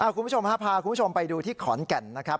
คุณผู้ชมพาคุณผู้ชมไปดูที่ขอนแก่นนะครับ